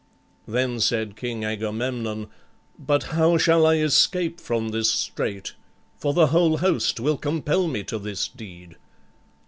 Then said King Agamemnon, "But how shall I escape from this strait? For the whole host will compel me to this deed?"